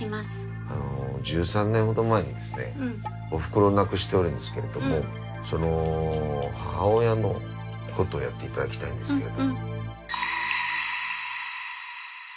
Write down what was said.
１３年ほど前にですねおふくろを亡くしておるんですけれどもその母親のことをやっていただきたいんですけれど。